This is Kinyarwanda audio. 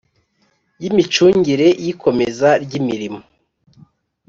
Y imicungire y ikomeza ry imirimo